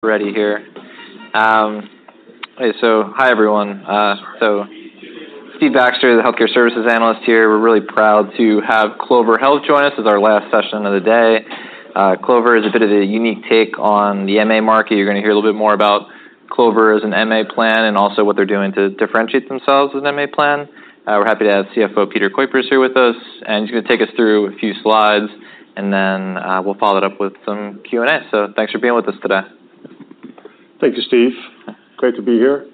Ready here. So hi, everyone. Steve Baxter, the Healthcare Services Analyst here. We're really proud to have Clover Health join us as our last session of the day. Clover is a bit of a unique take on the MA market. You're gonna hear a little bit more about Clover as an MA plan, and also what they're doing to differentiate themselves as an MA plan. We're happy to have CFO Peter Kuipers here with us, and he's gonna take us through a few slides, and then we'll follow it up with some Q&A. Thanks for being with us today. Thank you, Steve. Great to be here.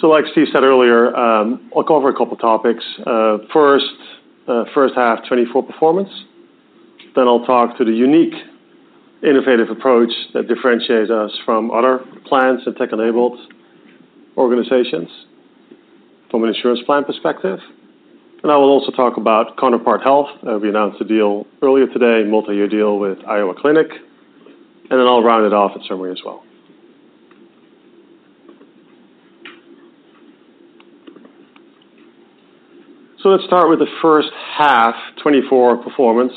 So like Steve said earlier, I'll cover a couple topics. First half, 2024 performance. Then I'll talk to the unique innovative approach that differentiates us from other plans and tech-enabled organizations from an insurance plan perspective. And I will also talk about Counterpart Health. We announced a deal earlier today, a multi-year deal with The Iowa Clinic, and then I'll round it off with summary as well. So let's start with the first half, 2024 performance.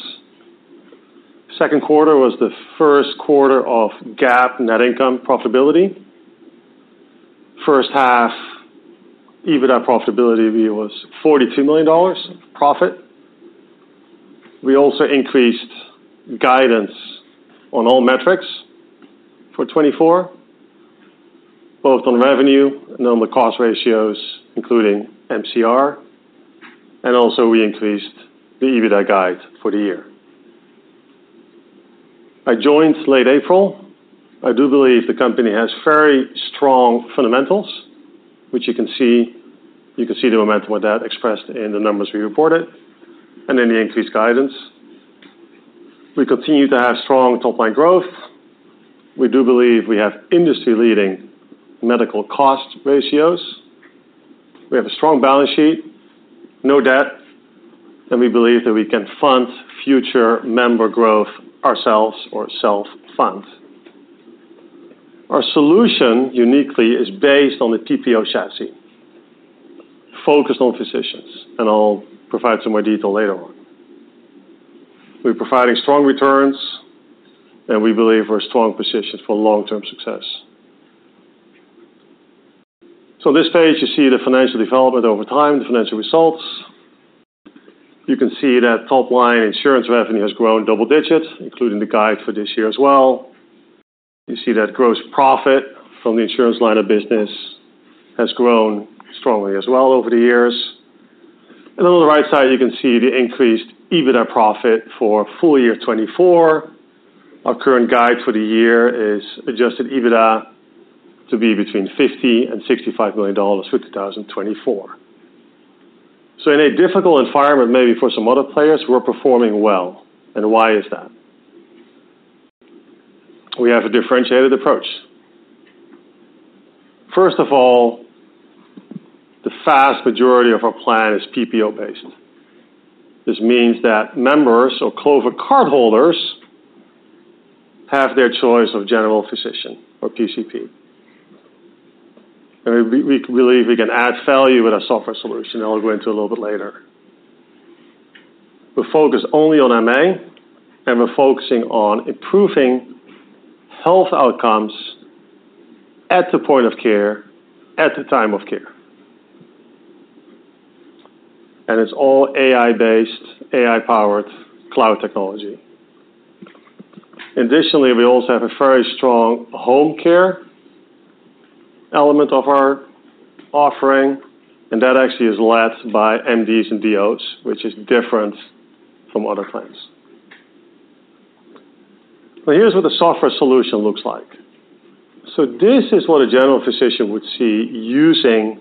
Second quarter was the first quarter of GAAP net income profitability. First half, EBITDA profitability view was $42 million profit. We also increased guidance on all metrics for 2024 both on revenue and on the cost ratios, including MCR, and also we increased the EBITDA guide for the year. I joined late April. I do believe the company has very strong fundamentals, which you can see, you can see the momentum of that expressed in the numbers we reported and in the increased guidance. We continue to have strong top-line growth. We do believe we have industry-leading medical cost ratios. We have a strong balance sheet, no debt, and we believe that we can fund future member growth ourselves or self-fund. Our solution, uniquely, is based on the PPO chassis, focused on physicians, and I'll provide some more detail later on. We're providing strong returns, and we believe we're in strong positions for long-term success. So this page, you see the financial development over time, the financial results. You can see that top-line insurance revenue has grown double digits, including the guide for this year as well. You see that gross profit from the insurance line of business has grown strongly as well over the years, and on the right side you can see the increased EBITDA profit for full year 2024. Our current guide for the year is adjusted EBITDA to be between $50 million and $65 million for 2024, so in a difficult environment, maybe for some other players, we're performing well, and why is that? We have a differentiated approach. First of all, the vast majority of our plan is PPO-based. This means that members or Clover cardholders have their choice of general physician or PCP, and we believe we can add value with our software solution, and I'll go into a little bit later. We're focused only on MA, and we're focusing on improving health outcomes at the point of care, at the time of care. It's all AI-based, AI-powered cloud technology. Additionally, we also have a very strong home care element of our offering, and that actually is led by MDs and DOs, which is different from other plans. Here's what the software solution looks like. This is what a general physician would see using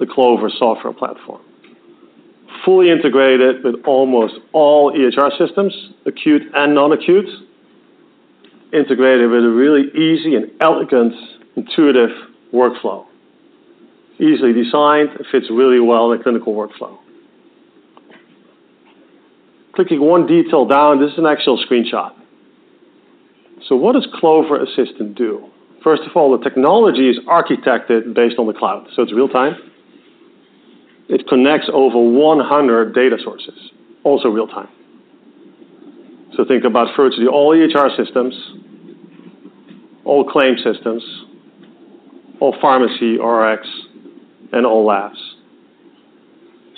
the Clover software platform. Fully integrated with almost all EHR systems, acute and non-acute, integrated with a really easy and elegant, intuitive workflow. Easily designed, it fits really well in clinical workflow. Clicking one detail down, this is an actual screenshot. What does Clover Assistant do? First of all, the technology is architected based on the cloud, so it's real-time. It connects over 100 data sources, also real time. Think about virtually all EHR systems, all claim systems, all pharmacy, Rx, and all labs.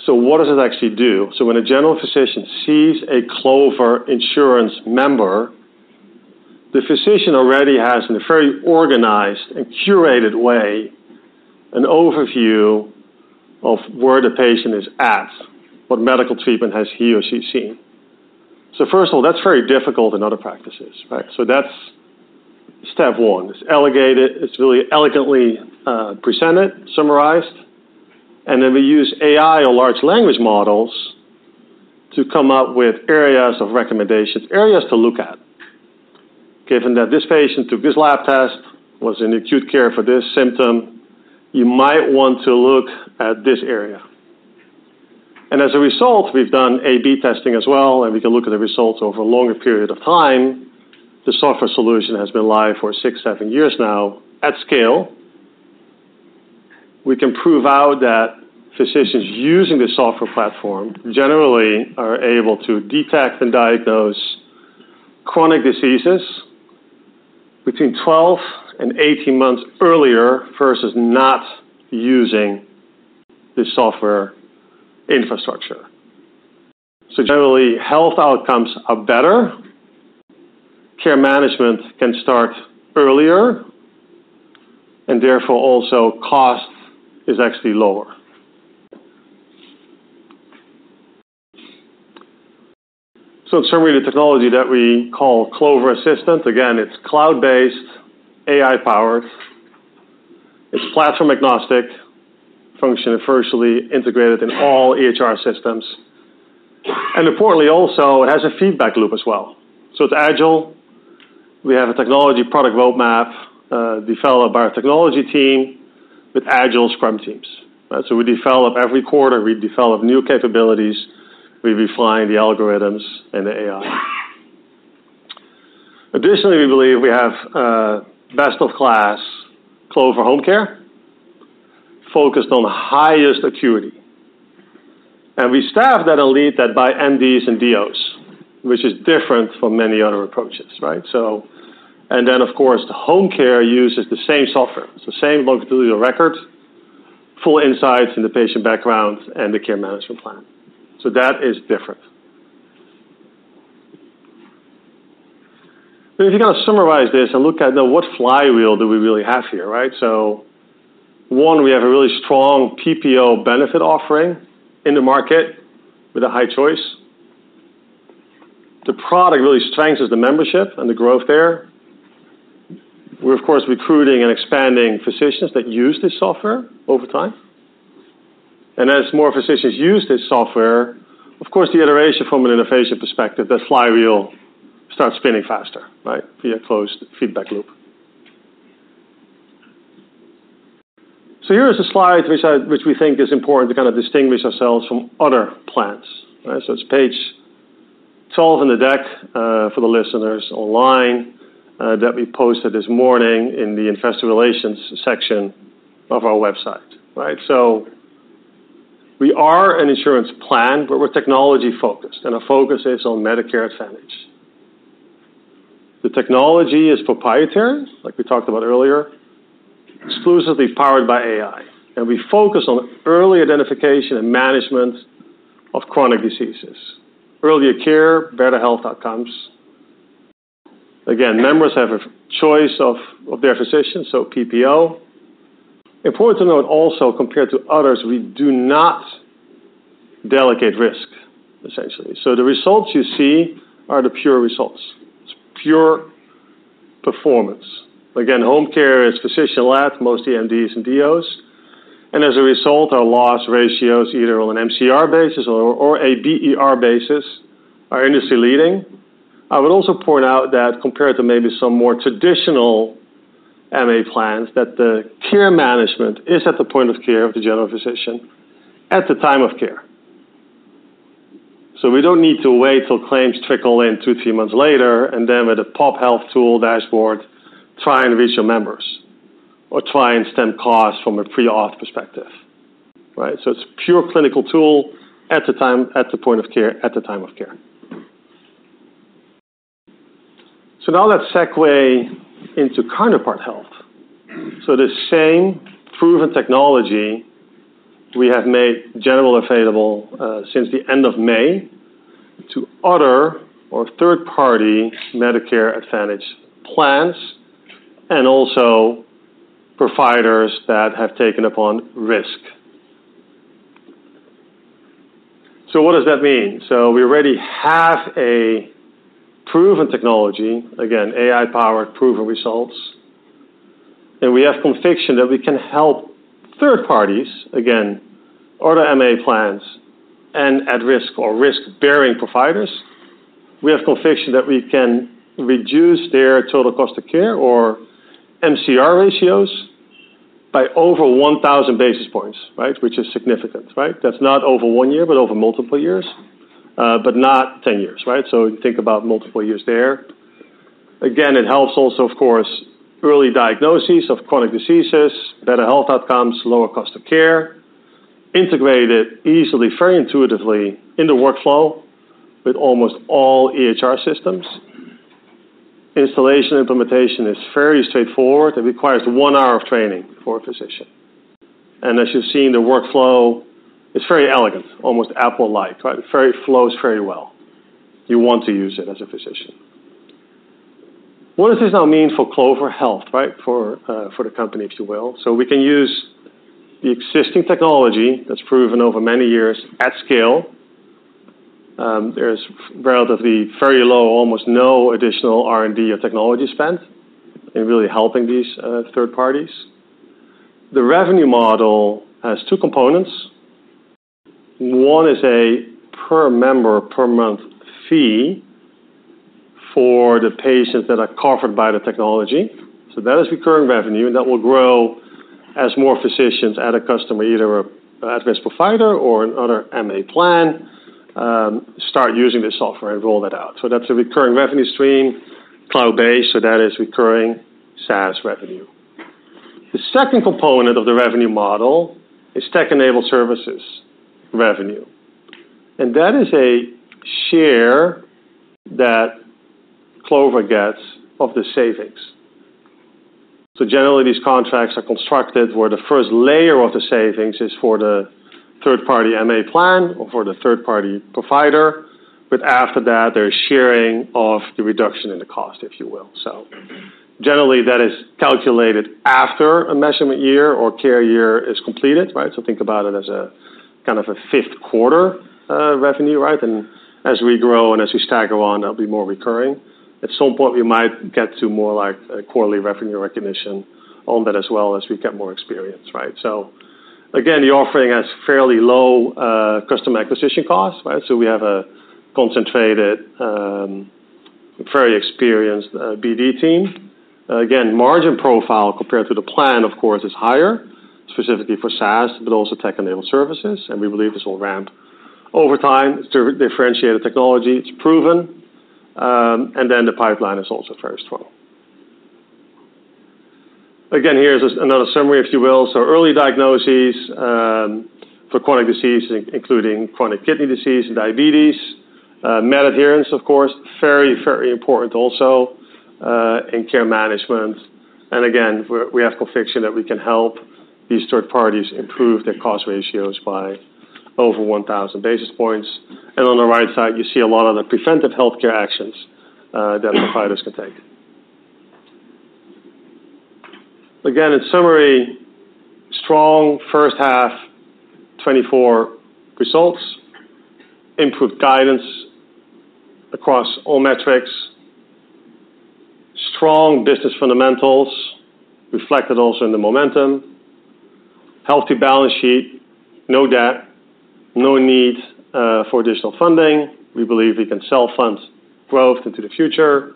What does it actually do? So when a general physician sees a Clover insurance member, the physician already has, in a very organized and curated way, an overview of where the patient is at, what medical treatment has he or she seen, so first of all, that's very difficult in other practices, right, so that's step one. It's elegant, it's really elegantly presented, summarized, and then we use AI or large language models to come up with areas of recommendations, areas to look at. Given that this patient took this lab test, was in acute care for this symptom, you might want to look at this area, and as a result, we've done A/B testing as well, and we can look at the results over a longer period of time. The software solution has been live for six, seven years now at scale. We can prove out that physicians using the software platform generally are able to detect and diagnose chronic diseases between 12 and 18 months earlier, versus not using the software infrastructure, so generally, health outcomes are better, care management can start earlier, and therefore, also cost is actually lower, so to summarize the technology that we call Clover Assistant, again, it's cloud-based, AI-powered, it's platform-agnostic, functionally integrated in all EHR systems, and importantly, also, it has a feedback loop as well, so it's agile. We have a technology product roadmap developed by our technology team with Agile Scrum teams, so we develop every quarter, we develop new capabilities, we refine the algorithms and the AI. Additionally, we believe we have best-of-class Clover Home Care focused on the highest acuity, and we staff that with elite MDs and DOs, which is different from many other approaches, right? So, and then, of course, the home care uses the same software. It's the same longitudinal record, full insights in the patient background, and the care management plan. So that is different. But if you're going to summarize this and look at the what flywheel do we really have here, right? So one, we have a really strong PPO benefit offering in the market with a high choice. The product really strengthens the membership and the growth there. We're, of course, recruiting and expanding physicians that use this software over time. And as more physicians use this software, of course, the iteration from an innovation perspective, that flywheel starts spinning faster, right? Via closed feedback loop. So here is a slide which we think is important to kind of distinguish ourselves from other plans, right? So it's page twelve in the deck, for the listeners online, that we posted this morning in the investor relations section of our website, right? So we are an insurance plan, but we're technology-focused, and our focus is on Medicare Advantage. The technology is proprietary, like we talked about earlier, exclusively powered by AI, and we focus on early identification and management of chronic diseases. Earlier care, better health outcomes. Again, members have a choice of their physicians, so PPO. Important to note, also, compared to others, we do not delegate risk, essentially. So the results you see are the pure results. It's pure performance. Again, home care is physician-led, mostly MDs and DOs, and as a result, our loss ratios, either on an MCR basis or a BER basis, are industry-leading. I would also point out that compared to maybe some more traditional MA plans, that the care management is at the point of care of the general physician at the time of care. So we don't need to wait till claims trickle in two, three months later, and then with a pop health tool dashboard, try and reach your members, or try and stem costs from a pre-op perspective, right? So it's pure clinical tool at the time, at the point of care, at the time of care. So now let's segue into Counterpart Health. So the same proven technology we have made generally available, since the end of May to other or third-party Medicare Advantage plans, and also providers that have taken upon risk. So what does that mean? So we already have a proven technology, again, AI-powered, proven results, and we have conviction that we can help third parties, again, other MA plans and at-risk or risk-bearing providers. We have conviction that we can reduce their total cost of care or MCR ratios by over one thousand basis points, right? Which is significant, right? That's not over one year, but over multiple years, but not ten years, right? So think about multiple years there. Again, it helps also, of course, early diagnoses of chronic diseases, better health outcomes, lower cost of care, integrated easily, very intuitively in the workflow with almost all EHR systems. Installation, implementation is very straightforward. It requires one hour of training for a physician. And as you've seen, the workflow is very elegant, almost Apple-like, right? Very flows very well. You want to use it as a physician. What does this now mean for Clover Health, right? For the company, if you will. So we can use the existing technology that's proven over many years at scale. There's relatively very low, almost no additional R&D or technology spent in really helping these third parties. The revenue model has two components. One is a per member, per month fee for the patients that are covered by the technology. So that is recurring revenue, and that will grow as more physicians add a customer, either at-risk provider or another MA plan start using the software and roll that out. So that's a recurring revenue stream... cloud-based, so that is recurring SaaS revenue. The second component of the revenue model is tech-enabled services revenue, and that is a share that Clover gets of the savings. So generally, these contracts are constructed where the first layer of the savings is for the third-party MA plan or for the third-party provider, but after that, there's sharing of the reduction in the cost, if you will. So generally, that is calculated after a measurement year or care year is completed, right? So think about it as a kind of a fifth quarter, revenue, right? And as we grow and as we stagger on, that'll be more recurring. At some point, we might get to more like a quarterly revenue recognition on that as well, as we get more experience, right? So again, the offering has fairly low, customer acquisition costs, right? So we have a concentrated, very experienced, BD team. Again, margin profile compared to the plan, of course, is higher, specifically for SaaS, but also tech-enabled services, and we believe this will ramp over time. It's a differentiated technology. It's proven, and then the pipeline is also very strong. Again, here is another summary, if you will. So early diagnoses for chronic disease, including chronic kidney disease and diabetes, med adherence, of course, very, very important also in care management. And again, we have conviction that we can help these third parties improve their cost ratios by over one thousand basis points. And on the right side, you see a lot of the preventive healthcare actions that providers can take. Again, in summary, strong first half 2024 results, improved guidance across all metrics, strong business fundamentals reflected also in the momentum, healthy balance sheet, no debt, no need for additional funding. We believe we can self-fund growth into the future,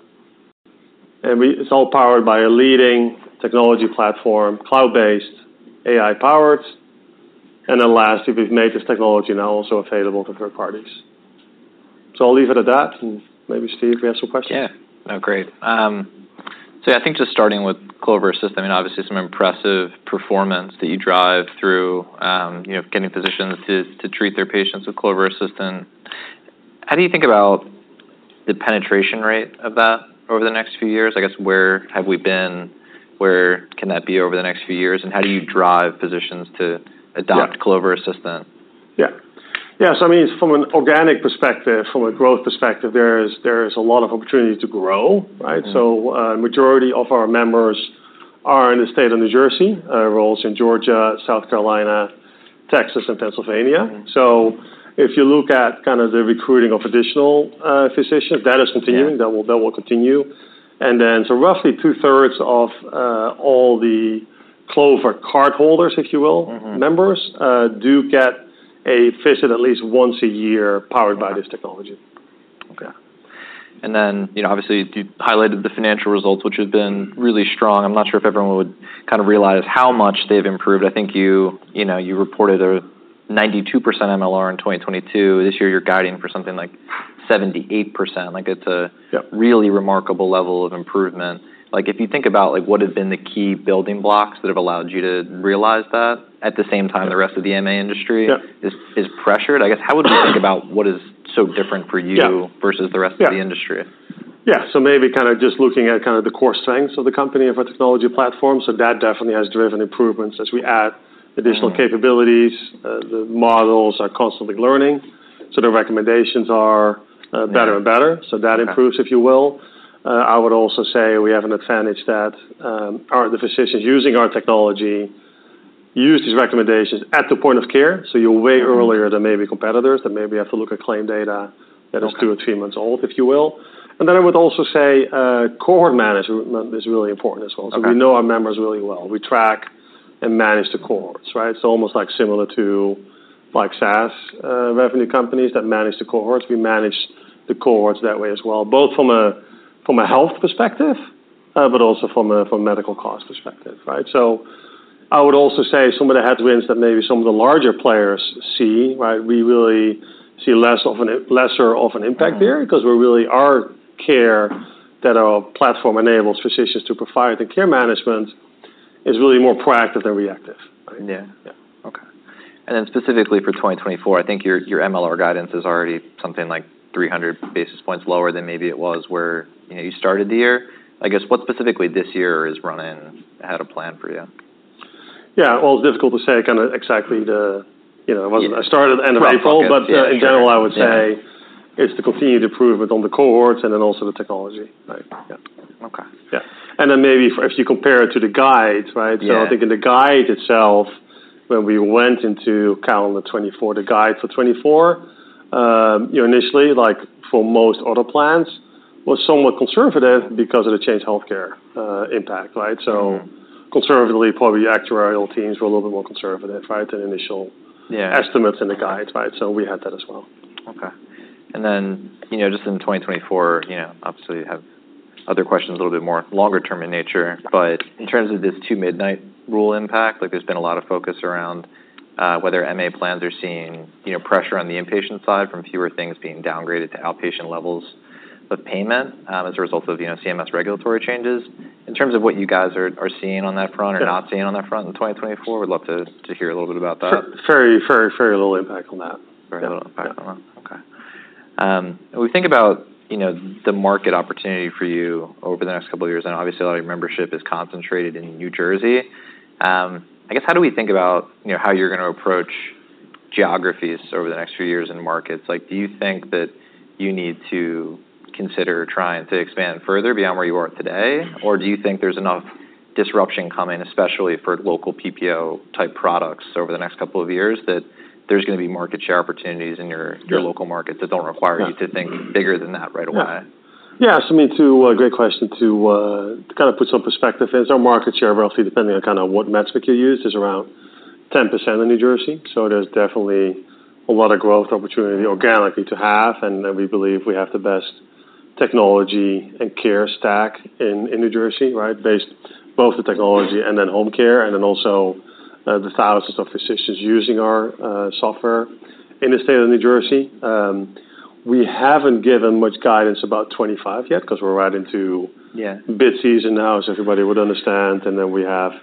and it's all powered by a leading technology platform, cloud-based, AI-powered. And then lastly, we've made this technology now also available to third parties. So I'll leave it at that, and maybe, Steve, if you have some questions. Yeah. Oh, great. So I think just starting with Clover Assistant, I mean, obviously some impressive performance that you drive through, you know, getting physicians to treat their patients with Clover Assistant. How do you think about the penetration rate of that over the next few years? I guess, where have we been? Where can that be over the next few years, and how do you drive physicians to adopt Clover Assistant? Yeah. Yeah, so I mean, from an organic perspective, from a growth perspective, there is a lot of opportunity to grow, right? Mm-hmm. Majority of our members are in the state of New Jersey. We're also in Georgia, South Carolina, Texas, and Pennsylvania. Mm-hmm. So if you look at kind of the recruiting of additional physicians, that is continuing. Yeah that will continue. And then, so roughly two-thirds of all the Clover cardholders, if you will- Mm-hmm members do get a visit at least once a year powered by this technology. Okay. And then, you know, obviously, you highlighted the financial results, which have been really strong. I'm not sure if everyone would kind of realize how much they've improved. I think you, you know, you reported a 92% MLR in 2022. This year you're guiding for something like 78%. Like, it's a- Yeah really remarkable level of improvement. Like, if you think about, like, what have been the key building blocks that have allowed you to realize that at the same time the rest of the MA industry- Yeah is pressured, I guess, how would we think about what is so different for you Yeah versus the rest of the industry? Yeah. So maybe kind of just looking at kind of the core strengths of the company and our technology platform. So that definitely has driven improvements. As we add additional capabilities- Mm-hmm the models are constantly learning, so the recommendations are Yeah. better and better. Okay. So that improves, if you will. I would also say we have an advantage that are the physicians using our technology use these recommendations at the point of care, so you're way earlier Mm-hmm than maybe competitors, that maybe have to look at claim data that is- Okay two or three months old, if you will. And then I would also say, cohort management is really important as well. Okay. So we know our members really well. We track and manage the cohorts, right? It's almost like similar to, like, SaaS revenue companies that manage the cohorts. We manage the cohorts that way as well, both from a, from a health perspective, but also from a, from a medical cost perspective, right? So I would also say some of the headwinds that maybe some of the larger players see, right, we really see less of an lesser of an impact there Mm-hmm because the care that our platform enables physicians to provide, the care management, is really more proactive than reactive. Yeah. Yeah. Okay. And then specifically for 2024, I think your MLR guidance is already something like three hundred basis points lower than maybe it was where, you know, you started the year. I guess, what specifically this year is running ahead of plan for you? Yeah. Well, it's difficult to say kind of exactly the, you know, wasn't Yeah I started in April. Roughly, yeah, sure. But in general, I would say Yeah it's to continue to improve it on the cohorts and then also the technology, right? Yeah. Okay. Yeah, and then maybe for if you compare it to the guide, right? Yeah. I think in the guide itself, when we went into calendar 2024, the guide for 2024, you know, initially, like for most other plans, was somewhat conservative because of the changed healthcare impact, right? Mm-hmm. So conservatively, probably actuarial teams were a little bit more conservative, right, than initial Yeah estimates in the guide, right? So we had that as well. Okay. And then, you know, just in 2024, you know, obviously, you have other questions, a little bit more longer term in nature, but in terms of this Two-Midnight Rule impact, like there's been a lot of focus around whether MA plans are seeing, you know, pressure on the inpatient side from fewer things being downgraded to outpatient levels of payment, as a result of, you know, CMS regulatory changes. In terms of what you guys are seeing on that front or not seeing on that front in 2024, we'd love to hear a little bit about that. Sure. Very, very, very little impact on that. Very little impact on that? Yeah. Okay. When we think about, you know, the market opportunity for you over the next couple of years, and obviously, a lot of your membership is concentrated in New Jersey, I guess, how do we think about, you know, how you're gonna approach geographies over the next few years in markets? Like, do you think that you need to consider trying to expand further beyond where you are today? Or do you think there's enough disruption coming, especially for local PPO-type products over the next couple of years, that there's gonna be market share opportunities in your- Yeah your local market that don't require you to think bigger than that right away? Yeah. Yeah, so I mean, to great question to kind of put some perspective, as our market share, roughly, depending on kind of what metric you use, is around 10% in New Jersey, so there's definitely a lot of growth opportunity organically to have. And then we believe we have the best technology and care stack in New Jersey, right? Based both the technology and then home care, and then also the thousands of physicians using our software in the state of New Jersey. We haven't given much guidance about 2025 yet, 'cause we're right into- Yeah bid season now, as everybody would understand, and then we have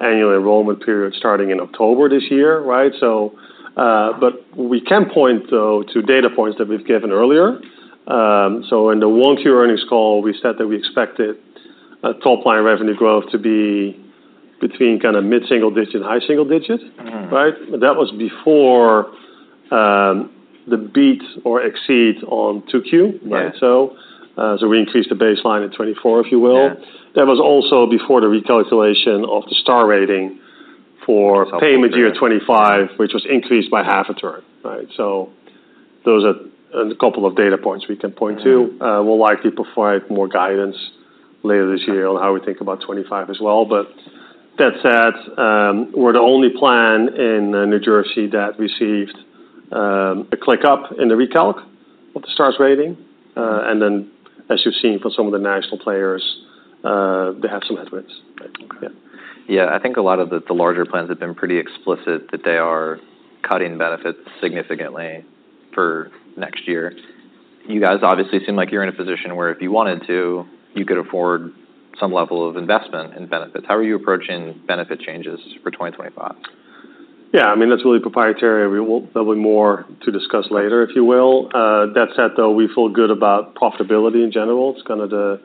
annual enrollment period starting in October this year, right? So, but we can point, though, to data points that we've given earlier. So in the 1Q earnings call, we said that we expected top line revenue growth to be between kinda mid-single digit and high single digits. Mm-hmm. Right? But that was before the beat or exceed on 2Q. Yeah. Right, so we increased the baseline in 2024, if you will. Yeah. That was also before the recalculation of the Star Rating for payment year 2025, which was increased by half a turn, right? So those are a couple of data points we can point to. Mm-hmm. We'll likely provide more guidance later this year on how we think about twenty-five as well. But that said, we're the only plan in New Jersey that received a tick-up in the recalc of the Star Rating. And then, as you've seen from some of the national players, they have some headwinds. Okay. Yeah. Yeah, I think a lot of the larger plans have been pretty explicit that they are cutting benefits significantly for next year. You guys obviously seem like you're in a position where, if you wanted to, you could afford some level of investment in benefits. How are you approaching benefit changes for 2025? Yeah, I mean, that's really proprietary. We will. That'll be more to discuss later, if you will. That said, though, we feel good about profitability in general. It's kind of the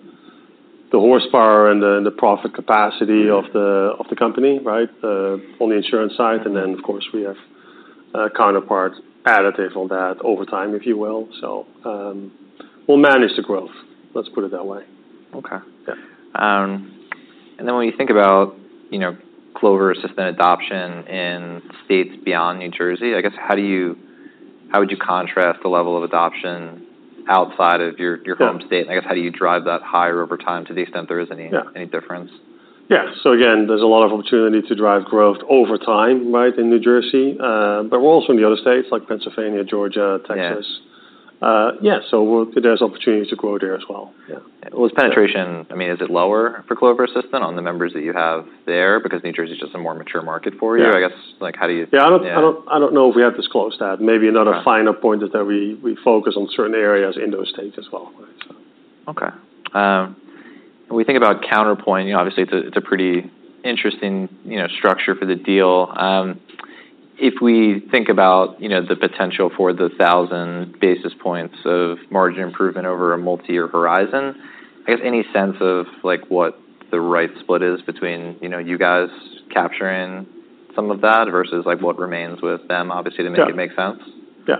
horsepower and the profit capacity of the company, right? On the insurance side, and then, of course, we have Counterpart's additive on that over time, if you will. So, we'll manage the growth, let's put it that way. Okay. Yeah. And then when you think about, you know, Clover Assistant adoption in states beyond New Jersey, I guess, how do you how would you contrast the level of adoption outside of your Yeah your home state? I guess, how do you drive that higher over time, to the extent there is any Yeah any difference? Yeah. So again, there's a lot of opportunity to drive growth over time, right, in New Jersey. But we're also in the other states, like Pennsylvania, Georgia, Texas. Yeah. Yeah, so there's opportunities to grow there as well. Yeah. Penetration, I mean, is it lower for Clover Assistant on the members that you have there? Because New Jersey is just a more mature market for you. Yeah. I guess, like, how do you Yeah, I don't Yeah I don't know if we have disclosed that. Okay. Maybe another final point is that we focus on certain areas in those states as well, right, so. Okay. When we think about Counterpart, obviously, it's a pretty interesting, you know, structure for the deal. If we think about, you know, the potential for the thousand basis points of margin improvement over a multi-year horizon, I guess any sense of, like, what the right split is between, you know, you guys capturing some of that versus, like, what remains with them, obviously? Yeah to make it make sense? Yeah.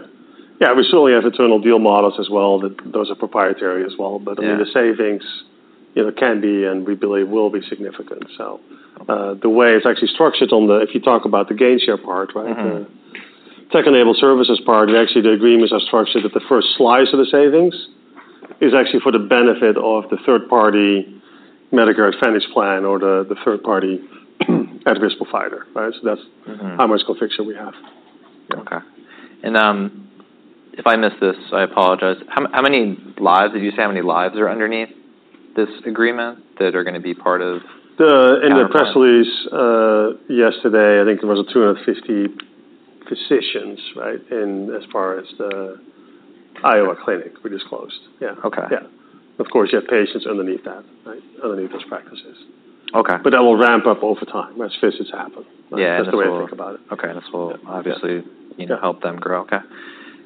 Yeah, we certainly have internal deal models as well. That, those are proprietary as well. Yeah. But, I mean, the savings, you know, can be and we believe will be significant. So, Okay. The way it's actually structured on the, if you talk about the gain share part, right? Mm-hmm. The tech-enabled services part, and actually, the agreements are structured that the first slice of the savings is actually for the benefit of the third-party Medicare Advantage plan or the third-party at-risk provider, right? So that's Mm-hmm how much conviction we have. Okay. And, if I missed this, I apologize. How, how many lives did you say? How many lives are underneath this agreement that are gonna be part of t The Counterpart? In the press release, yesterday, I think there was 250 physicians, right? And as far as the Iowa Clinic, we disclosed. Yeah. Okay. Yeah. Of course, you have patients underneath that, right, underneath those practices. Okay. But that will ramp up over time, as physicians happen. Yeah, and this will That's the way I think about it. Okay, and this will Yeah obviously, you know Yeah help them grow. Okay.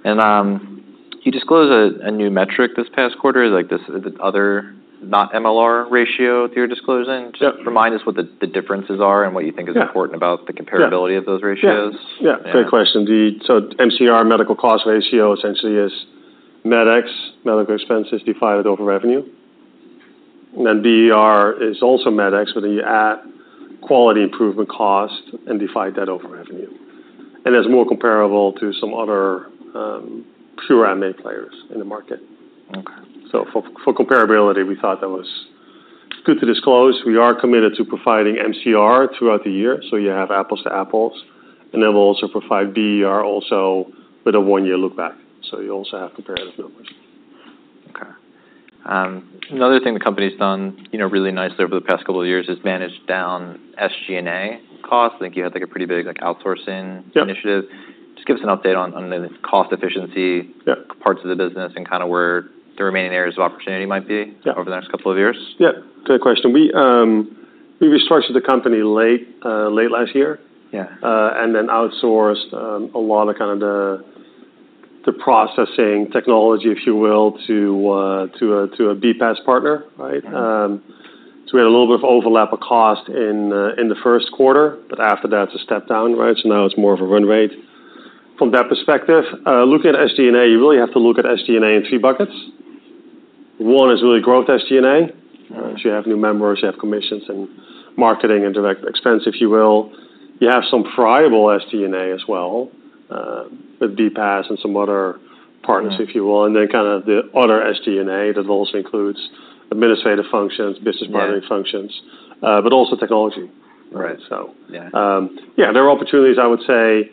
And you disclosed a new metric this past quarter, like this other not MLR ratio that you're disclosing. Yeah. Just remind us what the differences are and what you think? Yeah is important about the comparability- Yeah of those ratios. Yeah. Yeah. And Great question. So MCR, medical cost ratio, essentially is MedEx, medical expenses divided over revenue. Then BER is also MedEx, but then you add quality improvement cost and divide that over revenue. And that's more comparable to some other pure MA players in the market. Okay. So for comparability, we thought that was good to disclose. We are committed to providing MCR throughout the year, so you have apples to apples. And then we'll also provide BER with a one-year look back, so you also have comparative numbers. Another thing the company's done, you know, really nicely over the past couple of years is managed down SG&A costs. I think you had, like, a pretty big, like, outsourcing Yep. initiative. Just give us an update on the cost efficiency? Yep parts of the business and kinda where the remaining areas of opportunity might be. Yeah Over the next couple of years. Yeah, good question. We restructured the company late last year. Yeah. And then outsourced a lot of kind of the processing technology, if you will, to a BPaaS partner, right? So we had a little bit of overlap of cost in the first quarter, but after that, it's a step down, right? So now it's more of a run rate. From that perspective, looking at SG&A, you really have to look at SG&A in three buckets. One is really growth SG&A. Mm-hmm. So you have new members, you have commissions and marketing and direct expense, if you will. You have some variable SG&A as well, with BPaaS and some other partners Yeah if you will, and then kinda the other SG&A that also includes administrative functions, business Yeah partnering functions, but also technology. Right. So Yeah. Yeah, there are opportunities, I would say,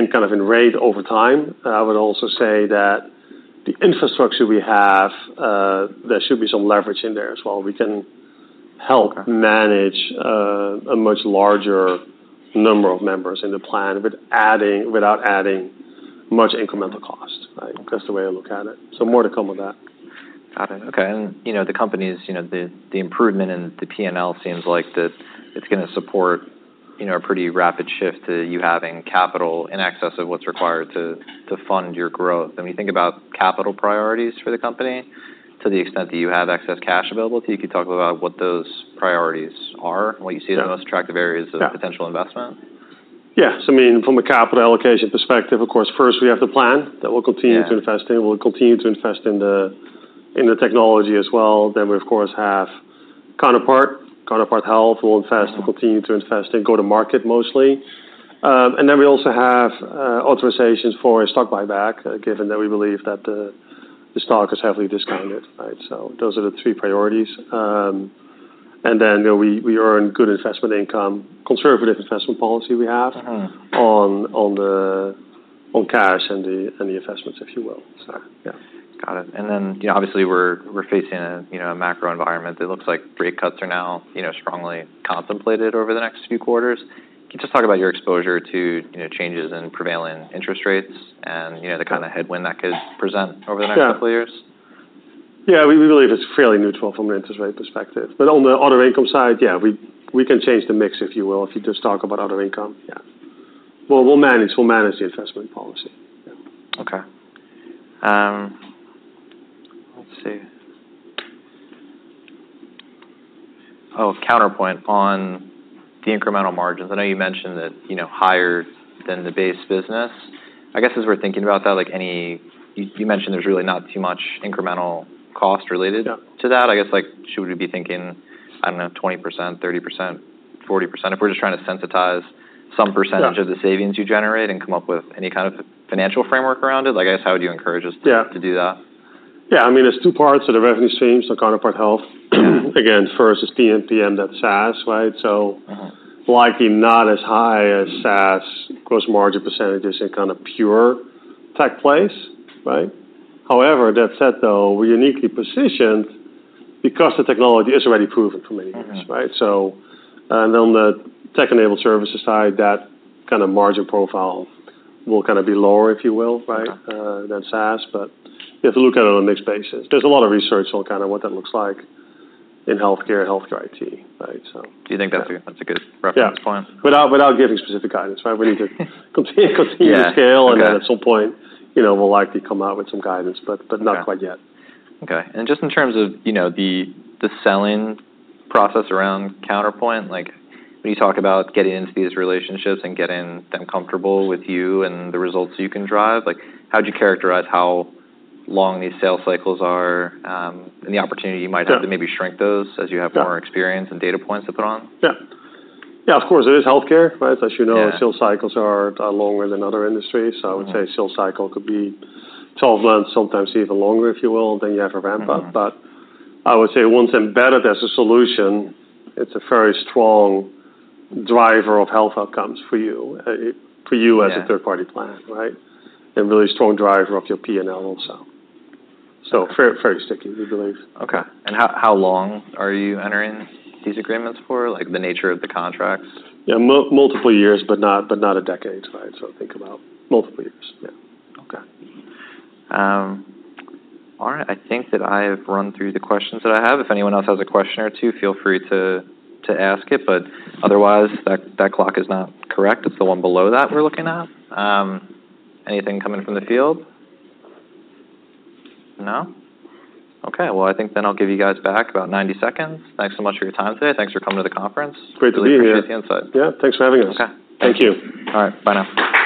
in kind of rate over time. I would also say that the infrastructure we have, there should be some leverage in there as well. We can help Okay manage a much larger number of members in the plan, but adding without adding much incremental cost, right? That's the way I look at it. So more to come with that. Got it. Okay. And, you know, the company's, you know, the improvement in the P&L seems like that it's gonna support, you know, a pretty rapid shift to you having capital in excess of what's required to fund your growth. When you think about capital priorities for the company, to the extent that you have excess cash available, so you could talk about what those priorities are and what you see Yeah as the most attractive areas of Yeah Potential investment? Yes. I mean, from a capital allocation perspective, of course, first we have the plan that we'll continue Yeah to invest in. We'll continue to invest in the technology as well. Then we, of course, have Counterpart. Counterpart Health. We'll invest Mm-hmm Continue to invest and go to market mostly. And then we also have authorizations for a stock buyback, given that we believe that the stock is heavily discounted, right? So those are the three priorities. And then, you know, we earn good investment income, conservative investment policy we have Mm-hmm on cash and the investments, if you will. So, yeah. Got it. And then, you know, obviously, we're facing a macro environment. It looks like rate cuts are now, you know, strongly contemplated over the next few quarters. Can you just talk about your exposure to, you know, changes in prevailing interest rates and, you know, the kinda headwind that could present over the- Sure Next couple of years? Yeah, we believe it's fairly neutral from an interest rate perspective, but on the other income side, yeah, we can change the mix, if you will, if you just talk about other income. Yeah, well, we'll manage the investment policy. Okay. Let's see. Oh, Counterpart on the incremental margins. I know you mentioned that, you know, higher than the base business. I guess, as we're thinking about that, like any. ou mentioned there's really not too much incremental cost related- Yeah to that. I guess, like, should we be thinking, I don't know, 20%, 30%, 40%? If we're just trying to sensitize some percentage- Yeah of the savings you generate and come up with any kind of financial framework around it, like, I guess, how would you encourage us to Yeah to do that? Yeah. I mean, there's two parts to the revenue stream, so Counterpart Health. Again, first, it's PMPM, that's SaaS, right? Mm-hmm likely not as high as SaaS. Gross margin percentage is a kind of pure tech play, right? However, that said, though, we're uniquely positioned because the technology is already proven for many years. Mm-hmm. Right? So, and on the tech-enabled services side, that kind of margin profile will kind of be lower, if you will, right? Okay. than SaaS, but you have to look at it on a mixed basis. There's a lot of research on kinda what that looks like in healthcare and healthcare IT, right? So Do you think that's a good reference point? Yeah. Without getting specific guidance, right? We need to Yeah continue to scale Okay And then at some point, you know, we'll likely come out with some guidance, but not quite yet. Okay. And just in terms of, you know, the selling process around Counterpart, like, when you talk about getting into these relationships and getting them comfortable with you and the results you can drive, like, how do you characterize how long these sales cycles are, and the opportunity you might have Yeah to maybe shrink those as you have Yeah more experience and data points to put on? Yeah. Yeah, of course, it is healthcare, right? As you know Yeah Sales cycles are longer than other industries. Mm-hmm. So I would say sales cycle could be twelve months, sometimes even longer, if you will, then you have a ramp-up. Mm-hmm. But I would say once embedded as a solution, it's a very strong driver of health outcomes for you. Yeah as a third-party plan, right? A really strong driver of your P&L also. So very, very sticky, we believe. Okay. And how long are you entering these agreements for? Like, the nature of the contracts. Yeah, multiple years, but not a decade, right, so think about multiple years. Yeah. Okay. All right, I think that I have run through the questions that I have. If anyone else has a question or two, feel free to ask it, but otherwise, that clock is not correct. It's the one below that we're looking at. Anything coming from the field? No? Okay. Well, I think then I'll give you guys back about 90 seconds. Thanks so much for your time today. Thanks for coming to the conference. Great to be here. Appreciate the insight. Yeah, thanks for having us. Okay. Thank you. All right, bye now.